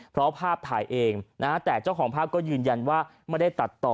เพราะภาพถ่ายเองนะฮะแต่เจ้าของภาพก็ยืนยันว่าไม่ได้ตัดต่อ